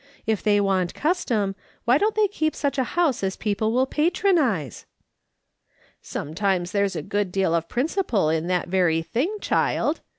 If they want custom, why don't they keep such a house as people will patronise ?"" Sometimes there's a good deal of principle in that very thing, child.